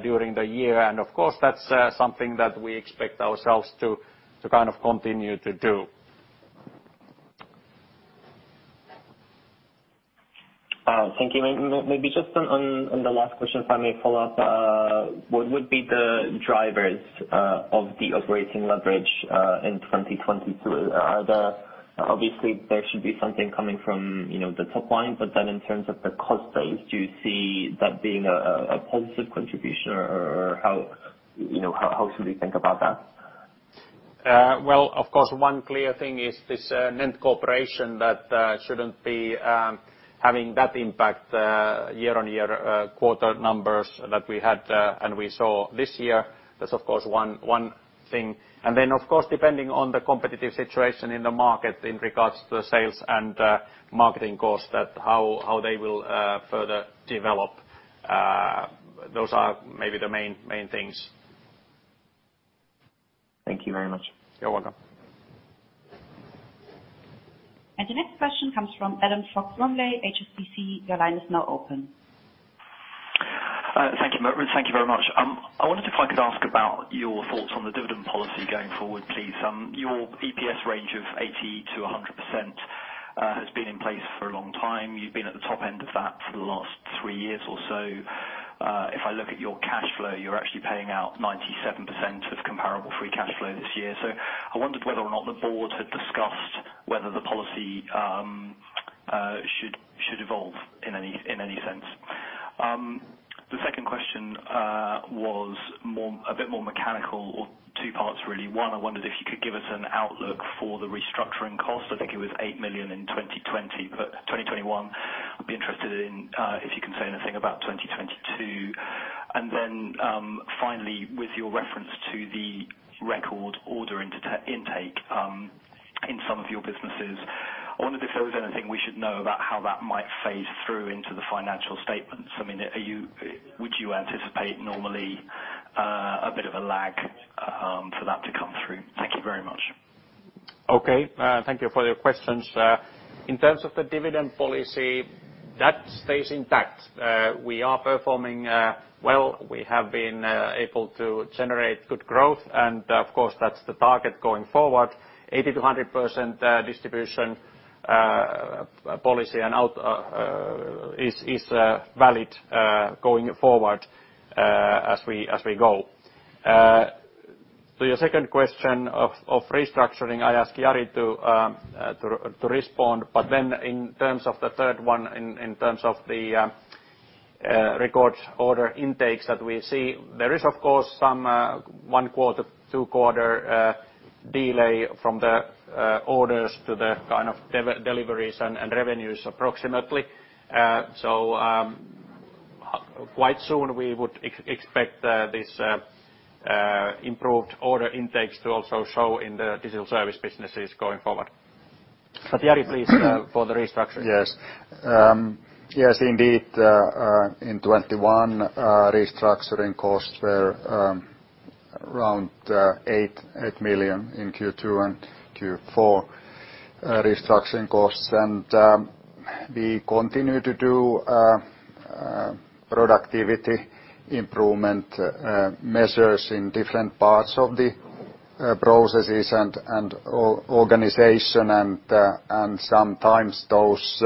[SPEAKER 2] during the year. Of course, that's something that we expect ourselves to kind of continue to do.
[SPEAKER 15] Thank you. Maybe just on the last question, if I may follow up. What would be the drivers of the operating leverage in 2022? Are there? Obviously, there should be something coming from, you know, the top line, but then in terms of the cost base, do you see that being a positive contribution or how, you know, how should we think about that?
[SPEAKER 2] Well, of course, one clear thing is this NENT cooperation that shouldn't be having that impact year-on-year quarter numbers that we had and we saw this year. That's of course one thing. Then, of course, depending on the competitive situation in the market in regards to the sales and marketing costs that how they will further develop, those are maybe the main things.
[SPEAKER 15] Thank you very much.
[SPEAKER 2] You're welcome.
[SPEAKER 4] The next question comes from Adam Fox-Rumley, HSBC. Your line is now open.
[SPEAKER 16] Thank you. Thank you very much. I wondered if I could ask about your thoughts on the dividend policy going forward, please. Your EPS range of 80%-100% has been in place for a long time. You've been at the top end of that for the last three years or so. If I look at your cash flow, you're actually paying out 97% of comparable free cash flow this year. I wondered whether or not the board had discussed whether the policy should evolve in any sense. The second question was a bit more mechanical or two parts, really. One, I wondered if you could give us an outlook for the restructuring cost. I think it was 8 million in 2020. 2021, I'd be interested in if you can say anything about 2022. Finally, with your reference to the record order intake in some of your businesses, I wondered if there was anything we should know about how that might phase through into the financial statements. I mean, would you anticipate normally a bit of a lag for that to come through? Thank you very much.
[SPEAKER 2] Okay. Thank you for your questions. In terms of the dividend policy, that stays intact. We are performing well. We have been able to generate good growth, and of course, that's the target going forward. 80%-100% distribution policy payout is valid going forward, as we go. To your second question of restructuring, I ask Jari to respond. In terms of the third one, in terms of the record order intakes that we see, there is, of course, some one- to two-quarter delay from the orders to the kind of deliveries and revenues, approximately. Quite soon, we would expect this improved order intakes to also show in the digital service businesses going forward. Jari please, for the restructuring.
[SPEAKER 3] Yes. Yes, indeed, in 2021, restructuring costs were around 8 million in Q2 and Q4 restructuring costs. We continue to do productivity improvement measures in different parts of the processes and organization. Sometimes those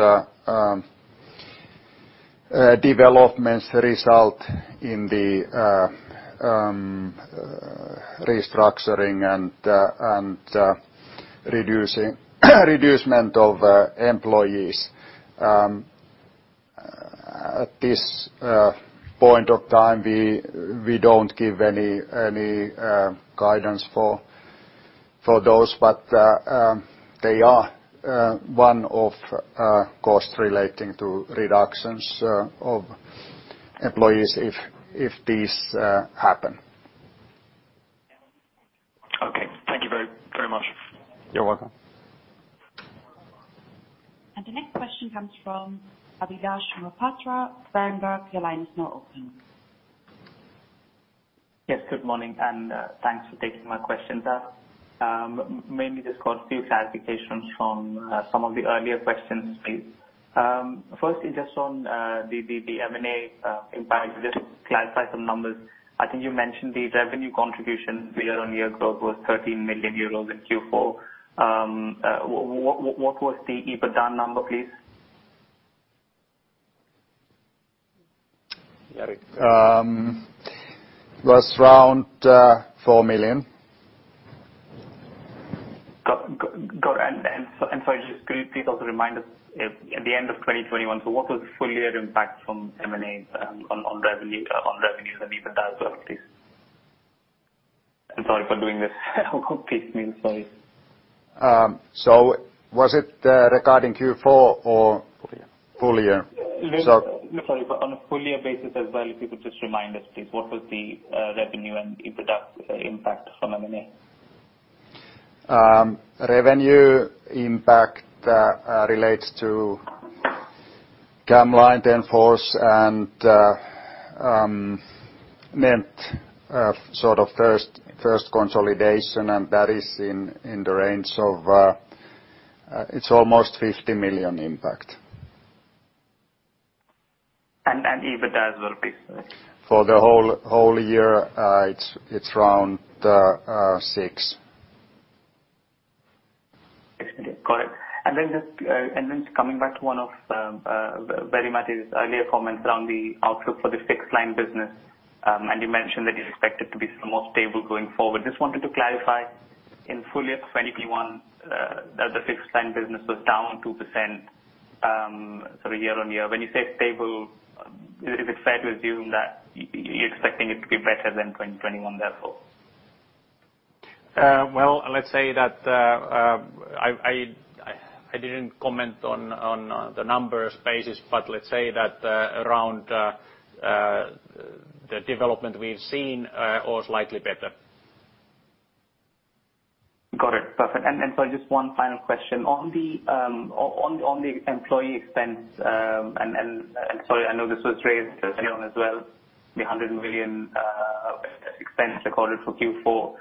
[SPEAKER 3] developments result in the restructuring and reduction of employees. At this point of time, we don't give any guidance for those. They are one of the costs relating to reductions of employees if these happen.
[SPEAKER 16] Okay. Thank you very, very much.
[SPEAKER 3] You're welcome.
[SPEAKER 4] The next question comes from Abhilash Mohapatra, Berenberg. Your line is now open.
[SPEAKER 17] Yes, good morning, and thanks for taking my questions. I mainly just got a few clarifications from some of the earlier questions, please. Firstly, just on the M&A impact, just to clarify some numbers. I think you mentioned the revenue contribution year-on-year growth was 13 million euros in Q4. What was the EBITDA number, please?
[SPEAKER 2] Jari.
[SPEAKER 3] It was around 4 million.
[SPEAKER 17] Got it. Sorry, just could you please also remind us of at the end of 2021, what was the full year impact from M&A on revenue and revenues and EBITDA as well, please? Sorry for doing this. Oh, please, sorry.
[SPEAKER 2] Was it regarding Q4 or?
[SPEAKER 17] Full year.
[SPEAKER 2] Full year.
[SPEAKER 17] Sorry, but on a full year basis as well, if you could just remind us, please, what was the revenue and EBITDA impact from M&A?
[SPEAKER 2] Revenue impact relates to camLine, TenForce, and NENT sort of first consolidation, and that is in the range of almost EUR 50 million impact.
[SPEAKER 17] EBITDA as well, please, sorry.
[SPEAKER 2] For the whole year, it's around six.
[SPEAKER 17] Excellent. Got it. Coming back to one of Veli-Matti's earlier comments around the outlook for the fixed line business, and you mentioned that you expect it to be sort of more stable going forward. Just wanted to clarify. In full year 2021, the fixed line business was down 2%, sort of year-on-year. When you say stable, is it fair to assume that you're expecting it to be better than 2021, therefore?
[SPEAKER 2] Well, let's say that I didn't comment on the numbers basis, but let's say that around the development we've seen or slightly better.
[SPEAKER 17] Got it. Perfect. Just one final question. On the employee expense. Sorry, I know this was raised earlier on as well, the 100 million expense recorded for Q4.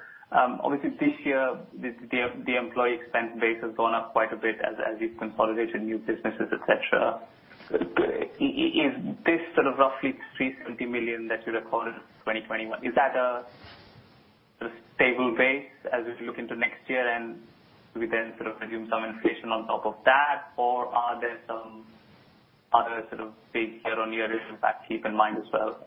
[SPEAKER 17] Obviously this year, the employee expense base has gone up quite a bit as you've consolidated new businesses, et cetera. Is this sort of roughly 370 million that you recorded in 2021, is that a stable base as we look into next year and we then sort of assume some inflation on top of that? Or are there some other sort of big year-on-year impacts to keep in mind as well?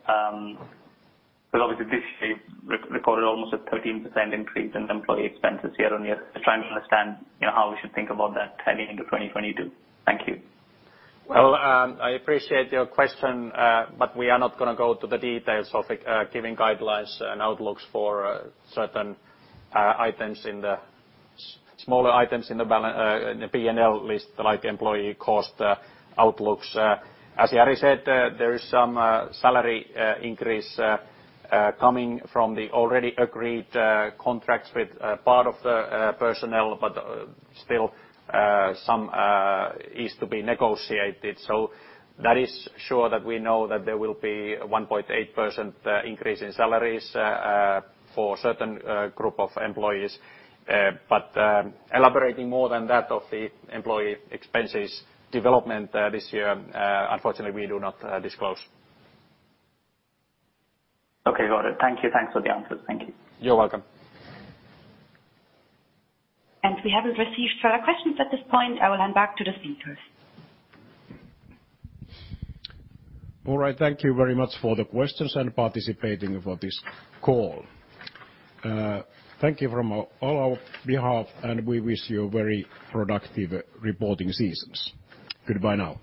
[SPEAKER 17] Because obviously this year you've recorded almost a 13% increase in employee expenses year-on-year. Just trying to understand, you know, how we should think about that heading into 2022. Thank you.
[SPEAKER 2] Well, I appreciate your question, but we are not gonna go to the details of giving guidelines and outlooks for certain items in the smaller items in the P&L list, like employee cost outlooks. As Jari said, there is some salary increase coming from the already agreed contracts with part of the personnel, but still some is to be negotiated. That is sure that we know that there will be a 1.8% increase in salaries for certain group of employees. But, elaborating more than that of the employee expenses development this year, unfortunately we do not disclose.
[SPEAKER 17] Okay. Got it. Thank you. Thanks for the answers. Thank you.
[SPEAKER 2] You're welcome.
[SPEAKER 4] We haven't received further questions at this point. I will hand back to the speakers.
[SPEAKER 2] All right. Thank you very much for the questions and participating for this call. Thank you from all our behalf, and we wish you a very productive reporting season. Goodbye now.